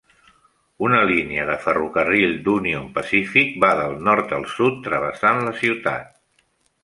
Una línia de ferrocarril d'Union Pacific va del nord al sud travessant la ciutat.